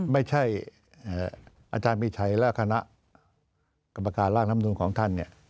ไม่ใช่อาจารย์มีชัยและคณะกรรมการร่างลำนูลของท่าน